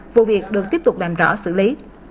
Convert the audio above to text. vụ việc được tiếp tục làm rõ xử lý